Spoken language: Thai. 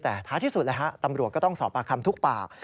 แต่ท้ายที่สุดตำรวจก็ต้องสอบปากคำทุกปาก